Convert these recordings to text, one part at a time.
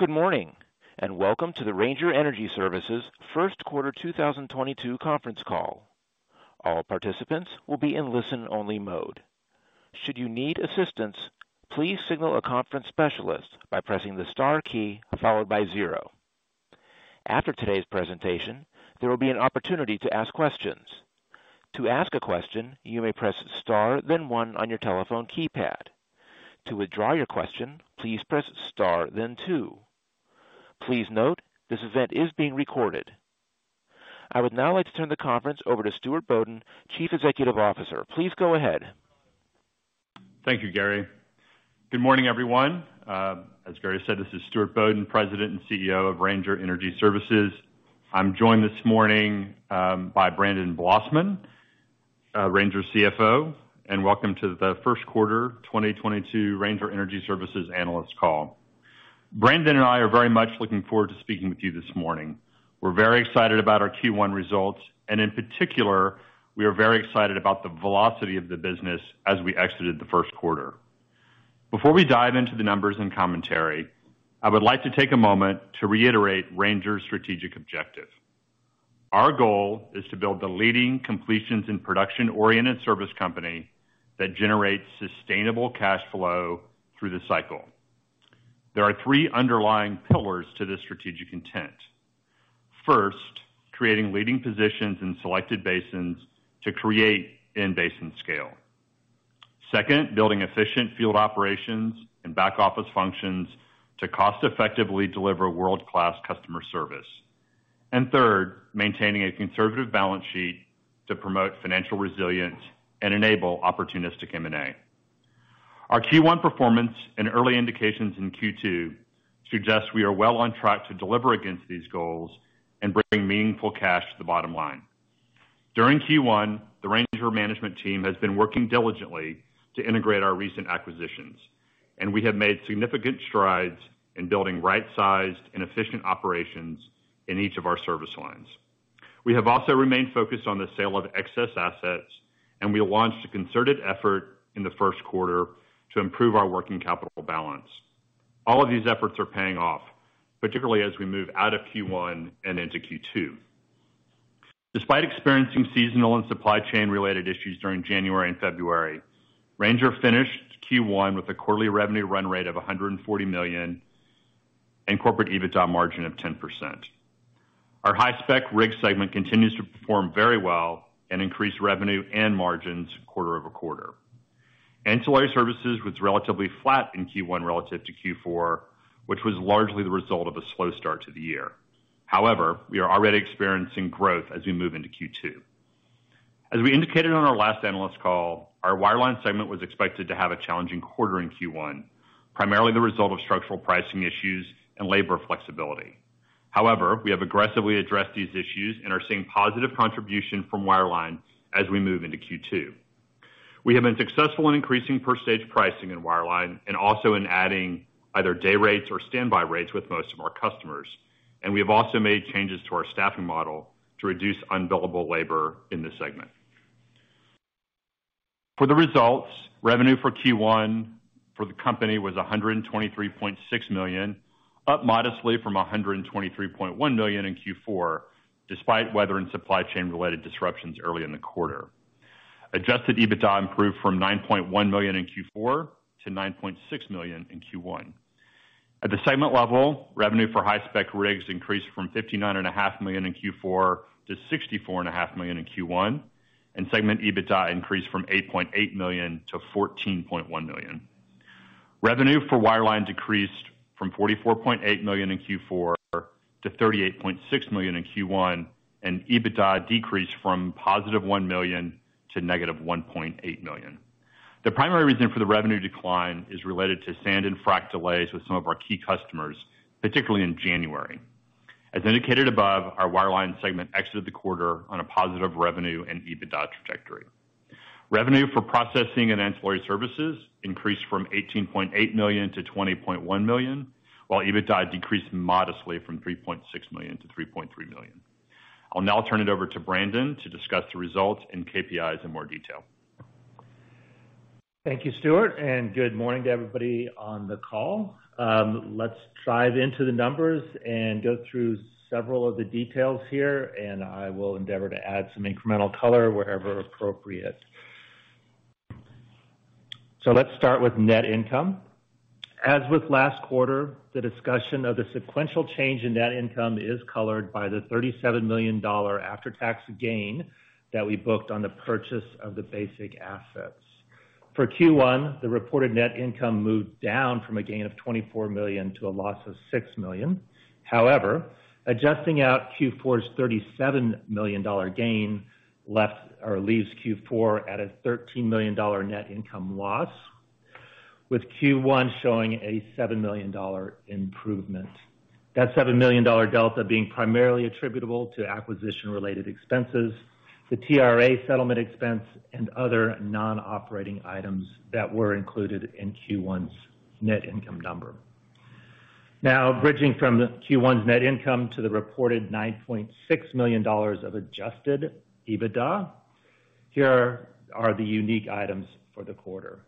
Good morning, and welcome to the Ranger Energy Services Q1 2022 conference call. All participants will be in listen-only mode. Should you need assistance, please signal a conference specialist by pressing the star key followed by zero. After today's presentation, there will be an opportunity to ask questions. To ask a question, you may press star then one on your telephone keypad. To withdraw your question, please press star then two. Please note, this event is being recorded. I would now like to turn the conference over to Stuart Bodden, Chief Executive Officer. Please go ahead. Thank you, Gary. Good morning, everyone. As Gary said, this is Stuart Bodden, President and CEO of Ranger Energy Services. I'm joined this morning by Brandon Blossman, Ranger CFO, and welcome to the Q1 2022 Ranger Energy Services analyst call. Brandon and I are very much looking forward to speaking with you this morning. We're very excited about our Q1 results, and in particular, we are very excited about the velocity of the business as we exited the Q1. Before we dive into the numbers and commentary, I would like to take a moment to reiterate Ranger's strategic objective. Our goal is to build the leading completions and production-oriented service company that generates sustainable cash flow through the cycle. There are three underlying pillars to this strategic intent. First, creating leading positions in selected basins to create in-basin scale. Second, building efficient field operations and back-office functions to cost-effectively deliver world-class customer service. Third, maintaining a conservative balance sheet to promote financial resilience and enable opportunistic M&A. Our Q1 performance and early indications in Q2 suggest we are well on track to deliver against these goals and bring meaningful cash to the bottom line. During Q1, the Ranger management team has been working diligently to integrate our recent acquisitions, and we have made significant strides in building right-sized and efficient operations in each of our service lines. We have also remained focused on the sale of excess assets, and we launched a concerted effort in the Q1 to improve our working capital balance. All of these efforts are paying off, particularly as we move out of Q1 and into Q2. Despite experiencing seasonal and supply chain related issues during January and February, Ranger finished Q1 with a quarterly revenue run rate of $140 million and corporate EBITDA margin of 10%. Our high-spec rig segment continues to perform very well and increase revenue and margins quarter-over-quarter. Ancillary Services was relatively flat in Q1 relative to Q4, which was largely the result of a slow start to the year. However, we are already experiencing growth as we move into Q2. As we indicated on our last analyst call, our Wireline segment was expected to have a challenging quarter in Q1, primarily the result of structural pricing issues and labor flexibility. However, we have aggressively addressed these issues and are seeing positive contribution from Wireline as we move into Q2. We have been successful in increasing per stage pricing in wireline and also in adding either day rates or standby rates with most of our customers. We have also made changes to our staffing model to reduce unbillable labor in this segment. For the results, revenue for Q1 for the company was $123.6 million, up modestly from $123.1 million in Q4, despite weather and supply chain related disruptions early in the quarter. Adjusted EBITDA improved from $9.1 million in Q4 to $9.6 million in Q1. At the segment level, revenue for high-spec rigs increased from $59.5 million in Q4 to $64.5 million in Q1, and segment EBITDA increased from $8.8 million to $14.1 million. Revenue for Wireline decreased from $44.8 million in Q4 to $38.6 million in Q1, and EBITDA decreased from $1 million to -$1.8 million. The primary reason for the revenue decline is related to sand and frack delays with some of our key customers, particularly in January. As indicated above, our Wireline segment exited the quarter on a positive revenue and EBITDA trajectory. Revenue for Processing and Ancillary Services increased from $18.8 million to $20.1 million, while EBITDA decreased modestly from $3.6 million to $3.3 million. I'll now turn it over to Brandon to discuss the results and KPIs in more detail. Thank you, Stuart, and good morning to everybody on the call. Let's dive into the numbers and go through several of the details here, and I will endeavor to add some incremental color wherever appropriate. Let's start with net income. As with last quarter, the discussion of the sequential change in net income is colored by the $37 million after-tax gain that we booked on the purchase of the Basic assets. For Q1, the reported net income moved down from a gain of $24 million to a loss of $6 million. However, adjusting out Q4's $37 million gain left or leaves Q4 at a $13 million net income loss, with Q1 showing a $7 million improvement. That $7 million delta being primarily attributable to acquisition-related expenses, the TRA settlement expense and other non-operating items that were included in Q1's net income number. Now bridging from the Q1's net income to the reported $9.6 million of adjusted EBITDA. Here are the unique items for the quarter.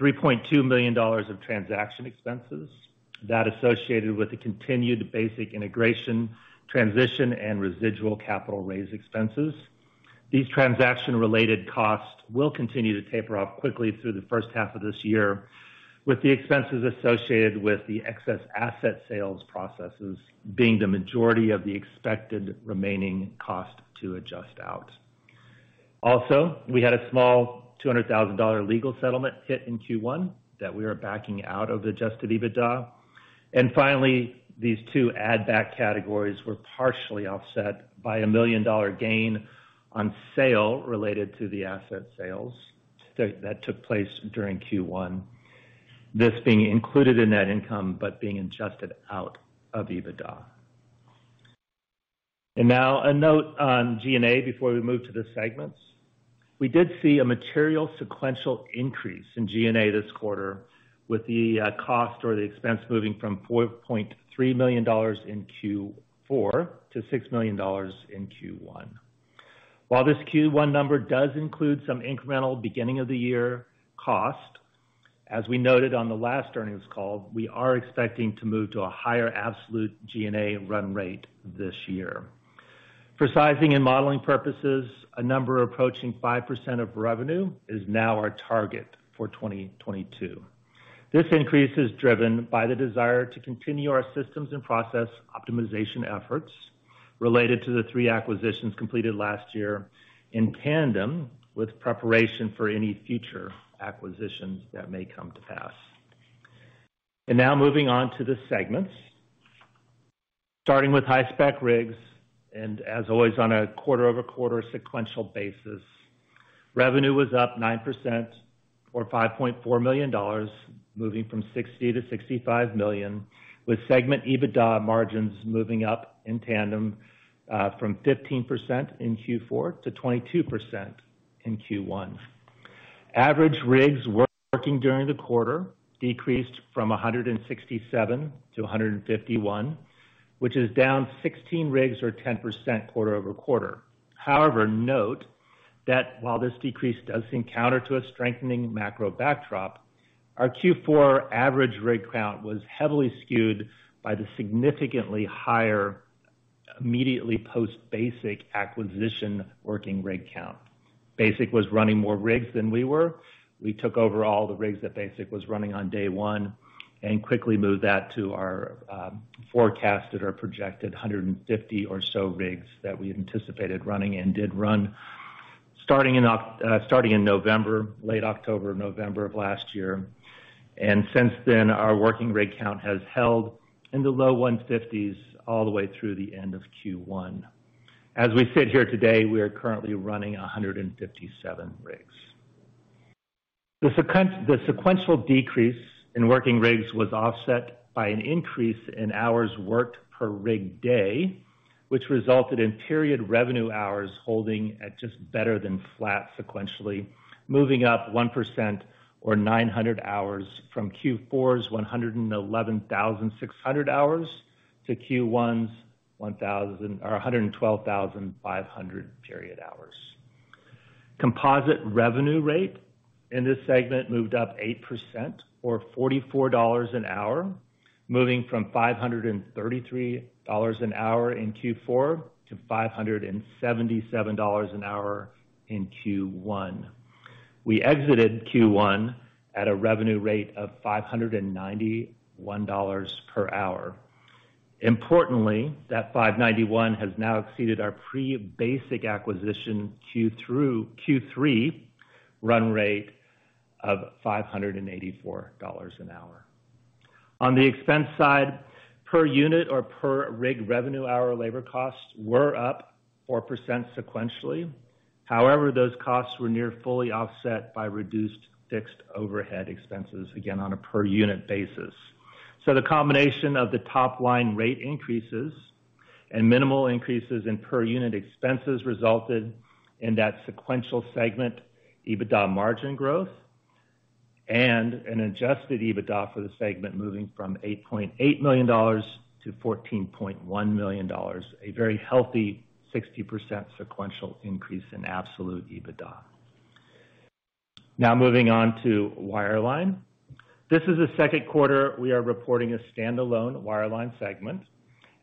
The first, $3.2 million of transaction expenses that associated with the continued Basic integration, transition and residual capital raise expenses. These transaction related costs will continue to taper off quickly through the first half of this year, with the expenses associated with the excess asset sales processes being the majority of the expected remaining cost to adjust out. Also, we had a small $200,000 legal settlement hit in Q1 that we are backing out of adjusted EBITDA. Finally, these two add back categories were partially offset by a $1 million gain on sale related to the asset sales that took place during Q1. This being included in net income, but being adjusted out of EBITDA. Now a note on G&A before we move to the segments. We did see a material sequential increase in G&A this quarter with the cost or the expense moving from $4.3 million in Q4 to $6 million in Q1. While this Q1 number does include some incremental beginning of the year cost, as we noted on the last earnings call, we are expecting to move to a higher absolute G&A run rate this year. For sizing and modeling purposes, a number approaching 5% of revenue is now our target for 2022. This increase is driven by the desire to continue our systems and process optimization efforts related to the three acquisitions completed last year in tandem with preparation for any future acquisitions that may come to pass. Now moving on to the segments, starting with high spec rigs and as always, on a quarter-over-quarter sequential basis, revenue was up 9% or $5.4 million, moving from $60 million to $65 million, with segment EBITDA margins moving up in tandem, from 15% in Q4 to 22% in Q1. Average rigs working during the quarter decreased from 167 to 151, which is down 16 rigs or 10% quarter-over-quarter. However, note that while this decrease does contribute to a strengthening macro backdrop, our Q4 average rig count was heavily skewed by the significantly higher immediately post Basic acquisition working rig count. Basic was running more rigs than we were. We took over all the rigs that Basic was running on day one and quickly moved that to our forecasted or projected 150 or so rigs that we anticipated running and did run starting in November, late October, November of last year. Since then, our working rig count has held in the low 150s all the way through the end of Q1. As we sit here today, we are currently running 157 rigs. The sequential decrease in working rigs was offset by an increase in hours worked per rig day, which resulted in period revenue hours holding at just better than flat sequentially, moving up 1% or 900 hours from Q4's 111,600 hours to Q1's 112,500 period hours. Composite revenue rate in this segment moved up 8% or $44 an hour, moving from $533 an hour in Q4 to $577 an hour in Q1. We exited Q1 at a revenue rate of $591 per hour. Importantly, that $591 has now exceeded our pre-Basic acquisition Q3 run rate of $584 an hour. On the expense side, per unit or per rig revenue hour labor costs were up 4% sequentially. However, those costs were near fully offset by reduced fixed overhead expenses, again on a per unit basis. The combination of the top line rate increases and minimal increases in per unit expenses resulted in that sequential segment EBITDA margin growth and an adjusted EBITDA for the segment moving from $8.8 million to $14.1 million, a very healthy 60% sequential increase in absolute EBITDA. Now moving on to Wireline. This is the Q2 we are reporting a standalone Wireline segment.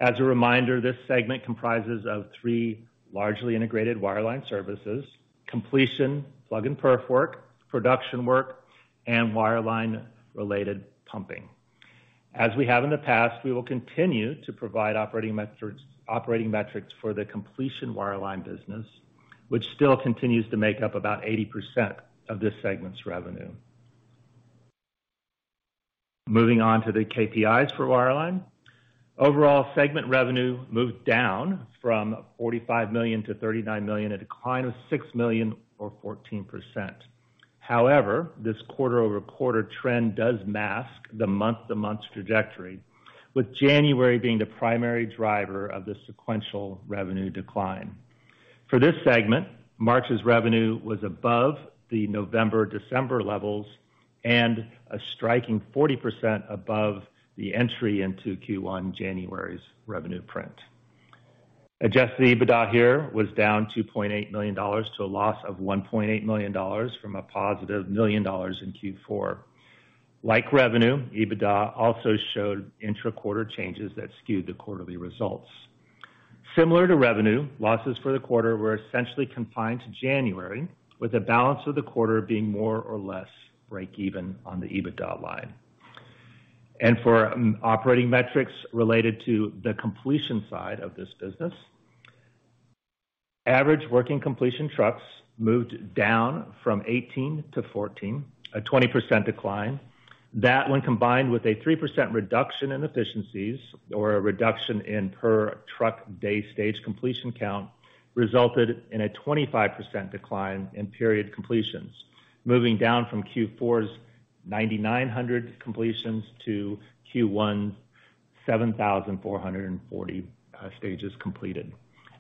As a reminder, this segment comprises of three largely integrated Wireline services completion, plug and perf work, production work, and Wireline-related pumping. As we have in the past, we will continue to provide operating metrics for the completion wireline business, which still continues to make up about 80% of this segment's revenue. Moving on to the KPIs for Wireline. Overall segment revenue moved down from $45 million to $39 million, a decline of $6 million or 14%. However, this quarter-over-quarter trend does mask the month-to-month trajectory, with January being the primary driver of the sequential revenue decline. For this segment, March's revenue was above the November, December levels and a striking 40% above the entry into Q1 January's revenue print. Adjusted EBITDA here was down $2.8 million to a loss of $1.8 million from a positive $1 million in Q4. Like revenue, EBITDA also showed intra-quarter changes that skewed the quarterly results. Similar to revenue, losses for the quarter were essentially confined to January, with the balance of the quarter being more or less breakeven on the EBITDA line. For operating metrics related to the completion side of this business, average working completion trucks moved down from 18 to 14, a 20% decline. That, when combined with a 3% reduction in efficiencies or a reduction in per truck day stage completion count, resulted in a 25% decline in period completions, moving down from Q4's 9,900 completions to Q1's 7,440 stages completed.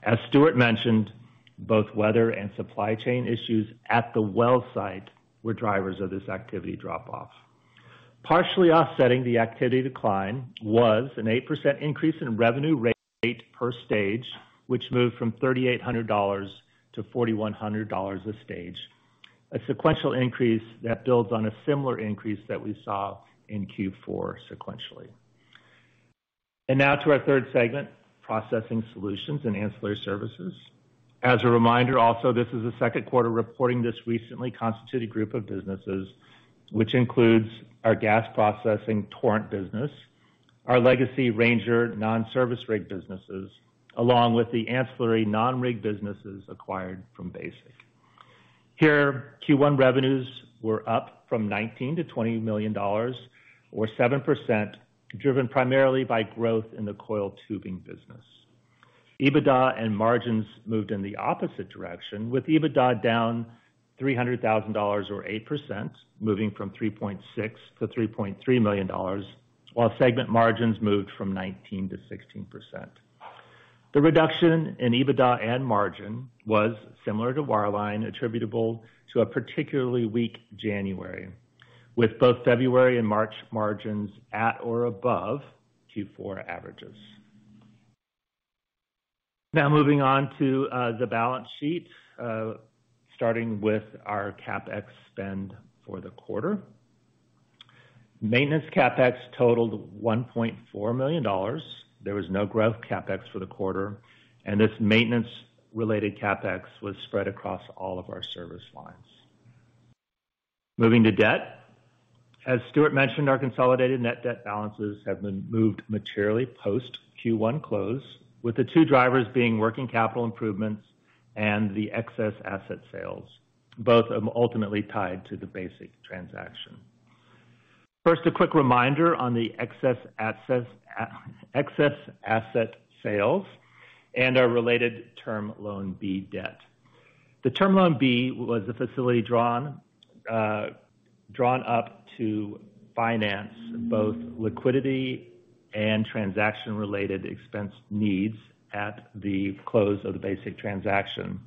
As Stuart mentioned, both weather and supply chain issues at the well site were drivers of this activity drop-off. Partially offsetting the activity decline was an 8% increase in revenue rate per stage, which moved from $3,800 to $4,100 a stage. A sequential increase that builds on a similar increase that we saw in Q4 sequentially. Now to our third segment, Processing Solutions and Ancillary Services. As a reminder also, this is the Q2 reporting this recently constituted group of businesses, which includes our gas processing Torrent business, our legacy Ranger non-service rig businesses, along with the ancillary non-rig businesses acquired from Basic. Here, Q1 revenues were up from $19 million to $20 million or 7%, driven primarily by growth in the coiled tubing business. EBITDA and margins moved in the opposite direction, with EBITDA down $300,000 or 8%, moving from $3.6 million to $3.3 million, while segment margins moved from 19% to 16%. The reduction in EBITDA and margin was similar to Wireline attributable to a particularly weak January, with both February and March margins at or above Q4 averages. Now moving on to the balance sheet, starting with our CapEx spend for the quarter. Maintenance CapEx totaled $1.4 million. There was no growth CapEx for the quarter, and this maintenance-related CapEx was spread across all of our service lines. Moving to debt. As Stuart mentioned, our consolidated net debt balances have been reduced materially post Q1 close, with the two drivers being working capital improvements and the excess asset sales, both ultimately tied to the Basic transaction. First, a quick reminder on the excess asset sales and our related Term Loan B debt. The Term Loan B was the facility drawn up to finance both liquidity and transaction-related expense needs at the close of the Basic transaction.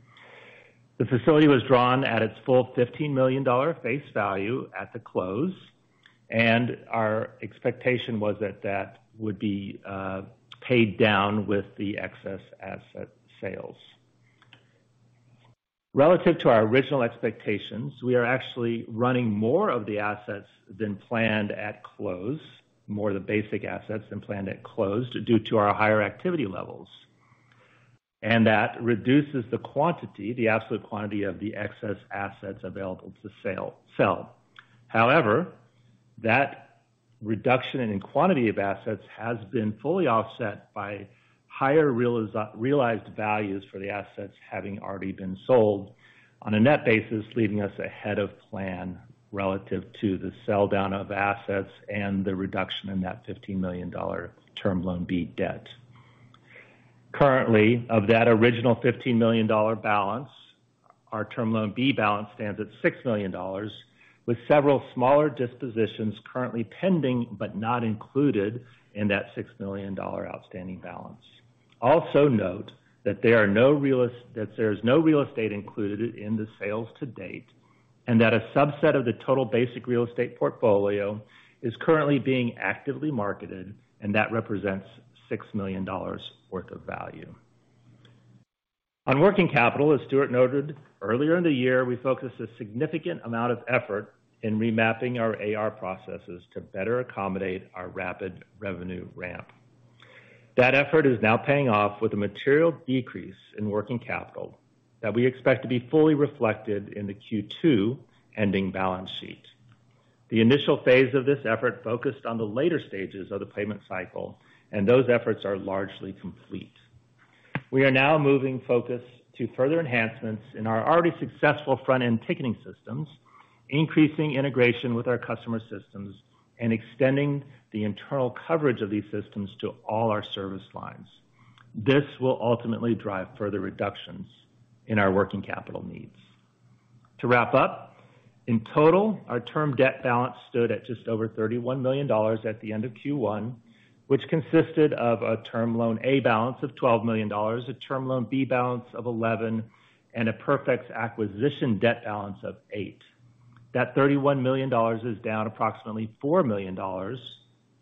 The facility was drawn at its full $15 million face value at the close, and our expectation was that that would be paid down with the excess asset sales. Relative to our original expectations, we are actually running more of the assets than planned at close, more of the Basic assets than planned at close due to our higher activity levels. That reduces the quantity, the absolute quantity of the excess assets available to sell. However, that reduction in quantity of assets has been fully offset by higher realized values for the assets having already been sold on a net basis, leaving us ahead of plan relative to the sell-down of assets and the reduction in that $15 million Term Loan B debt. Currently, of that original $15 million balance, our Term Loan B balance stands at $6 million, with several smaller dispositions currently pending, but not included in that $6 million outstanding balance. Also note that there's no real estate included in the sales to date, and that a subset of the total Basic real estate portfolio is currently being actively marketed, and that represents $6 million worth of value. On working capital, as Stuart noted earlier in the year, we focused a significant amount of effort in remapping our AR processes to better accommodate our rapid revenue ramp. That effort is now paying off with a material decrease in working capital that we expect to be fully reflected in the Q2 ending balance sheet. The initial phase of this effort focused on the later stages of the payment cycle, and those efforts are largely complete. We are now moving focus to further enhancements in our already successful front-end ticketing systems, increasing integration with our customer systems, and extending the internal coverage of these systems to all our service lines. This will ultimately drive further reductions in our working capital needs. To wrap up, in total, our term debt balance stood at just over $31 million at the end of Q1, which consisted of a Term Loan A balance of $12 million, a Term Loan B balance of $11 million, and a PerfX acquisition debt balance of $8 million. That $31 million is down approximately $4 million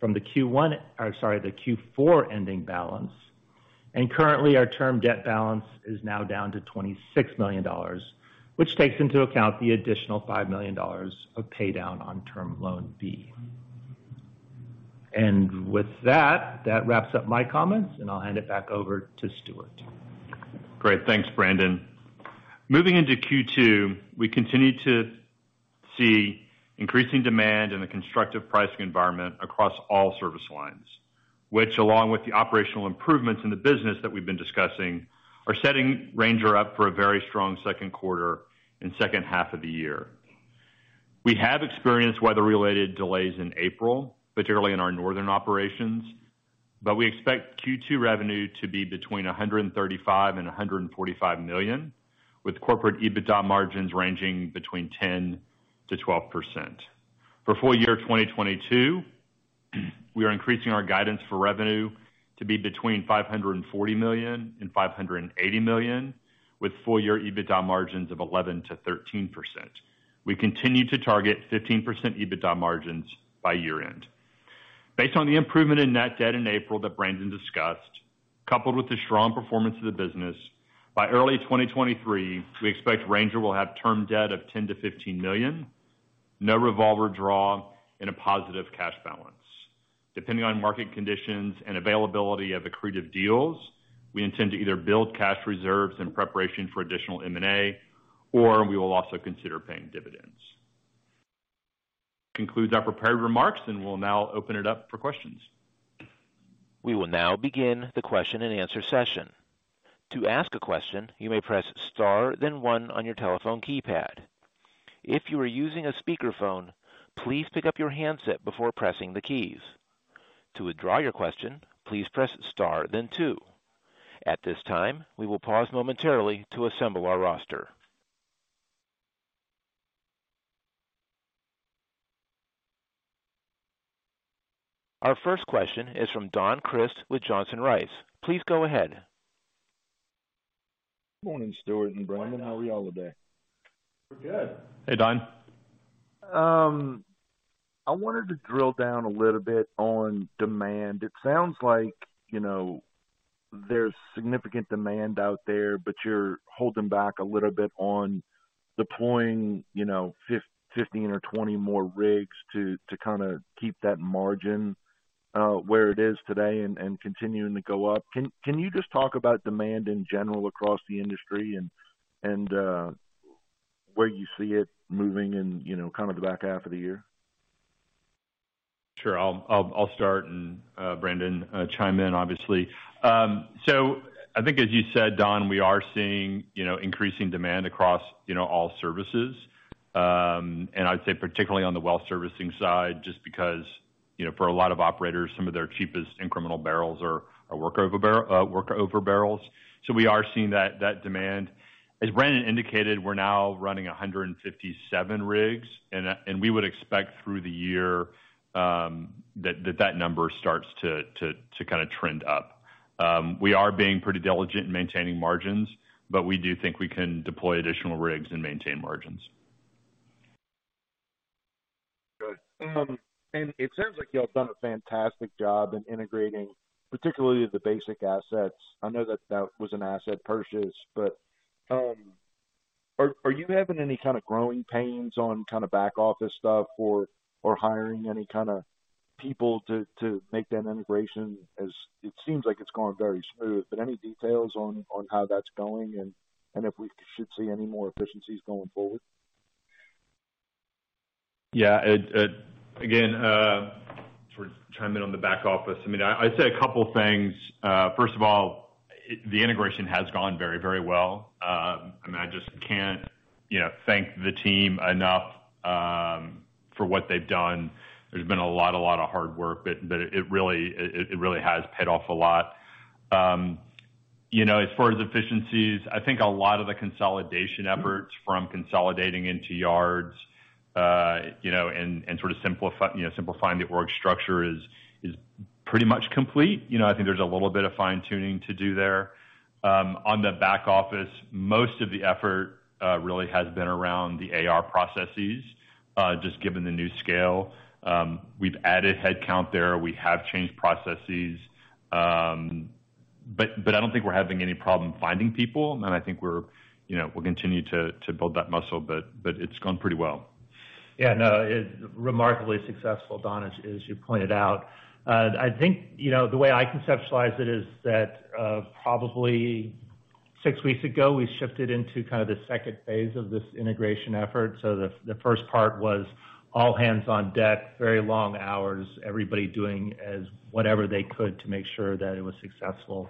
from the Q4 ending balance. Currently, our term debt balance is now down to $26 million, which takes into account the additional $5 million of pay down on Term Loan B. With that wraps up my comments, and I'll hand it back over to Stuart. Great. Thanks, Brandon. Moving into Q2, we continue to see increasing demand in the constructive pricing environment across all service lines, which, along with the operational improvements in the business that we've been discussing, are setting Ranger up for a very strong Q2 and second half of the year. We have experienced weather-related delays in April, particularly in our northern operations, but we expect Q2 revenue to be between $135 million and $145 million, with corporate EBITDA margins ranging between 10% to 12%. For full year 2022, we are increasing our guidance for revenue to be between $540 million and $580 million, with full year EBITDA margins of 11% to 13%. We continue to target 15% EBITDA margins by year-end. Based on the improvement in net debt in April that Brandon discussed, coupled with the strong performance of the business, by early 2023, we expect Ranger will have term debt of $10 million-$15 million, no revolver draw and a positive cash balance. Depending on market conditions and availability of accretive deals, we intend to either build cash reserves in preparation for additional M&A, or we will also consider paying dividends. Concludes our prepared remarks, and we'll now open it up for questions. We will now begin the question-and-answer session. To ask a question, you may press star then one on your telephone keypad. If you are using a speakerphone, please pick up your handset before pressing the keys. To withdraw your question, please press star then two. At this time, we will pause momentarily to assemble our roster. Our first question is from Don Crist with Johnson Rice & Company. Please go ahead. Morning, Stuart and Brandon. How are you all today? We're good. Hey, Don. I wanted to drill down a little bit on demand. It sounds like, you know, there's significant demand out there, but you're holding back a little bit on deploying, you know, 15 or 20 more rigs to kinda keep that margin where it is today and continuing to go up. Can you just talk about demand in general across the industry and where you see it moving in, you know, kind of the back half of the year? Sure. I'll start and, Brandon, chime in obviously. I think as you said, Don, we are seeing, you know, increasing demand across, you know, all services. I'd say particularly on the well servicing side, just because, you know, for a lot of operators, some of their cheapest incremental barrels are workover barrels. We are seeing that demand. As Brandon indicated, we're now running 157 rigs, and we would expect through the year, that number starts to kinda trend up. We are being pretty diligent in maintaining margins, but we do think we can deploy additional rigs and maintain margins. Good. It sounds like y'all have done a fantastic job in integrating, particularly the Basic assets. I know that was an asset purchase. Are you having any kinda growing pains on kinda back office stuff or hiring any kinda people to make that integration as it seems like it's going very smooth, but any details on how that's going and if we should see any more efficiencies going forward? Yeah. Again, sort of chime in on the back office. I mean, I'd say a couple things. First of all, the integration has gone very, very well. I mean, I just can't, you know, thank the team enough, for what they've done. There's been a lot of hard work, but it really has paid off a lot. You know, as far as efficiencies, I think a lot of the consolidation efforts from consolidating into yards, you know, and simplifying the org structure is pretty much complete. You know, I think there's a little bit of fine-tuning to do there. On the back office, most of the effort really has been around the AR processes, just given the new scale. We've added headcount there. We have changed processes. I don't think we're having any problem finding people. I think we're, you know, we'll continue to build that muscle, but it's gone pretty well. Yeah. No, it was remarkably successful, Don, as you pointed out. I think, you know, the way I conceptualize it is that, probably six weeks ago, we shifted into kind of the second phase of this integration effort. The first part was all hands on deck, very long hours, everybody doing whatever they could to make sure that it was successful.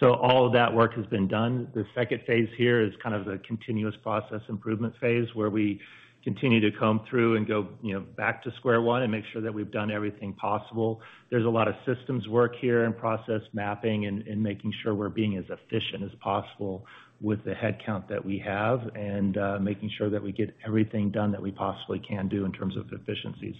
All of that work has been done. The second phase here is kind of the continuous process improvement phase, where we continue to comb through and go, you know, back to square one and make sure that we've done everything possible. There's a lot of systems work here and process mapping and making sure we're being as efficient as possible with the headcount that we have and making sure that we get everything done that we possibly can do in terms of efficiency.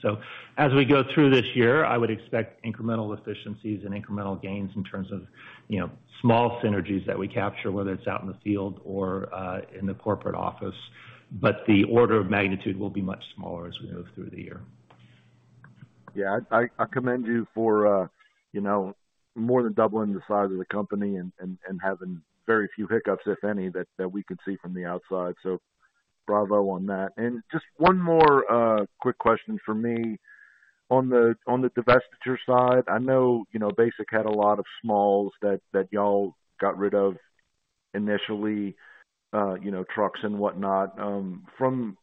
As we go through this year, I would expect incremental efficiencies and incremental gains in terms of, you know, small synergies that we capture, whether it's out in the field or in the corporate office. The order of magnitude will be much smaller as we move through the year. Yeah, I commend you for, you know, more than doubling the size of the company and having very few hiccups, if any, that we can see from the outside. Bravo on that. Just one more quick question from me. On the divestiture side, I know, you know, Basic had a lot of smalls that y'all got rid of initially, you know, trucks and whatnot. From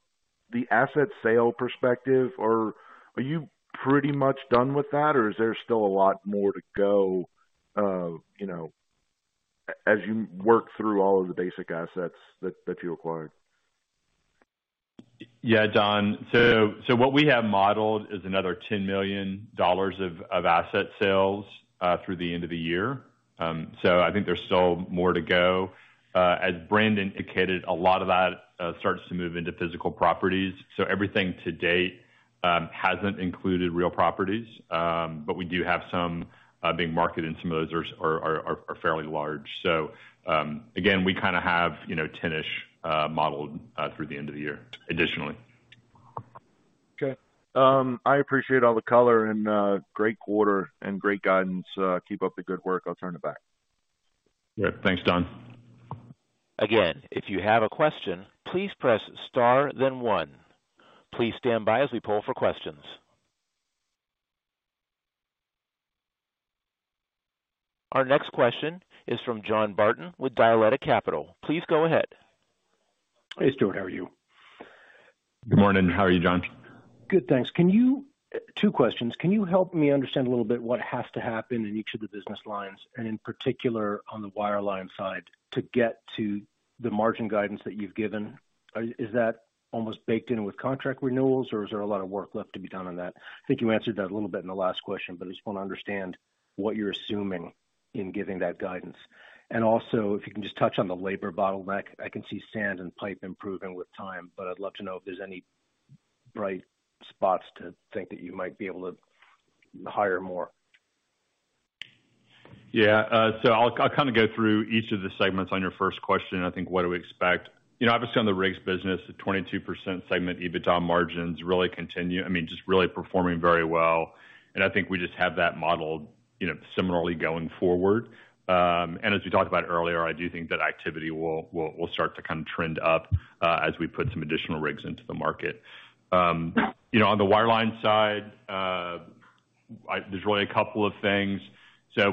the asset sale perspective, are you pretty much done with that, or is there still a lot more to go, you know, as you work through all of the Basic assets that you acquired? Yeah, Don. What we have modeled is another $10 million of asset sales through the end of the year. I think there's still more to go. As Brandon indicated, a lot of that starts to move into physical properties. Everything to date hasn't included real properties. We do have some being marketed, and some of those are fairly large. Again, we kinda have, you know, 10-ish modeled through the end of the year additionally. Okay. I appreciate all the color and great quarter and great guidance. Keep up the good work. I'll turn it back. Yeah. Thanks, Don. Again, if you have a question, please press star then one. Please stand by as we poll for questions. Our next question is from John Barton with Dialectic Capital. Please go ahead. Hey, Stuart. How are you? Good morning. How are you, John? Good, thanks. Two questions. Can you help me understand a little bit what has to happen in each of the business lines, and in particular on the wireline side, to get to the margin guidance that you've given? Is that almost baked in with contract renewals, or is there a lot of work left to be done on that? I think you answered that a little bit in the last question, but I just wanna understand what you're assuming in giving that guidance. Also, if you can just touch on the labor bottleneck. I can see sand and pipe improving with time, but I'd love to know if there's any bright spots to think that you might be able to hire more. Yeah. I'll kinda go through each of the segments on your first question. I think what do we expect. You know, obviously on the rigs business, the 22% segment EBITDA margins really continue. I mean, just really performing very well. I think we just have that modeled, you know, similarly going forward. As we talked about earlier, I do think that activity will start to kind of trend up, as we put some additional rigs into the market. You know, on the wireline side, there's really a couple of things.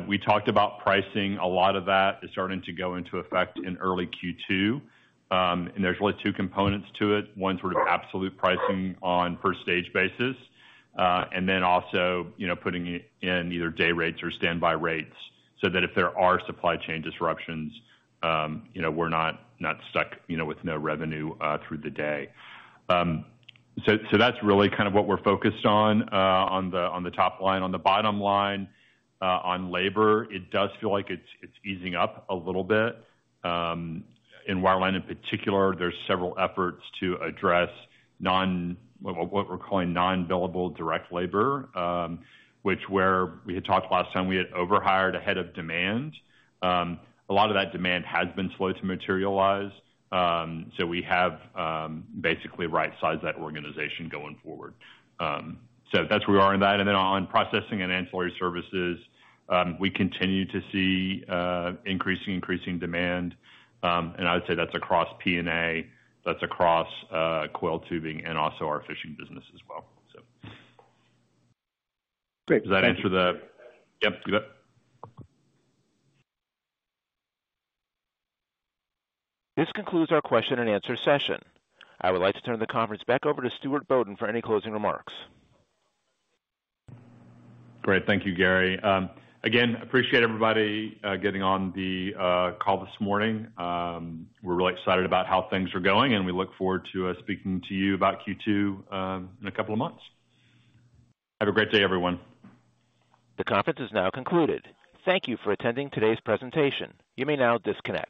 We talked about pricing. A lot of that is starting to go into effect in early Q2. There's really two components to it. One sort of absolute pricing on per stage basis. Also, you know, putting in either day rates or standby rates so that if there are supply chain disruptions, you know, we're not stuck, you know, with no revenue through the day. That's really kind of what we're focused on on the top line. On the bottom line, on labor, it does feel like it's easing up a little bit. In Wireline in particular, there's several efforts to address what we're calling non-billable direct labor, which, where we had talked last time, we had over hired ahead of demand. A lot of that demand has been slow to materialize. We have basically right-sized that organization going forward. That's where we are in that. On processing and ancillary services, we continue to see increasing demand. I would say that's across P&A, coiled tubing and also our fishing business as well. Great. Thank you. Yep, you bet. This concludes our question and answer session. I would like to turn the conference back over to Stuart Bodden for any closing remarks. Great. Thank you, Gary. Again, appreciate everybody getting on the call this morning. We're really excited about how things are going, and we look forward to speaking to you about Q2 in a couple of months. Have a great day, everyone. The conference is now concluded. Thank you for attending today's presentation. You may now disconnect.